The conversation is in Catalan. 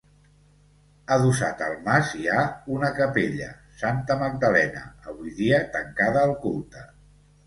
Adossat al mas hi ha una capella, Santa Magdalena, avui dia tancada al culte.